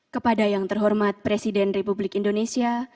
kepada yang terhormat presiden republik indonesia